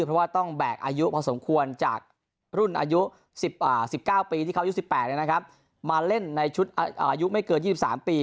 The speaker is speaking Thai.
เพราะว่าต้องแบกอายุพอสมควรจากรุ่นอายุ๑๙ปีที่เขาอายุ๑๘มาเล่นในชุดอายุไม่เกิน๒๓ปี